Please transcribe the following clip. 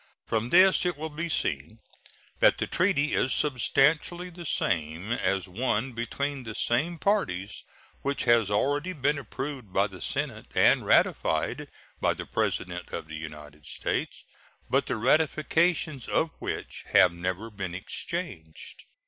From this it will be seen that the treaty is substantially the same as one between the same parties which has already been approved by the Senate and ratified by the President of the United States, but the ratifications of which have never been exchanged.